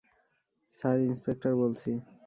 Sir, inspector বলছি।